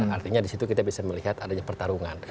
artinya di situ kita bisa melihat adanya pertarungan